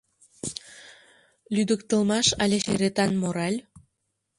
— Лӱдыктылмаш але черетан мораль?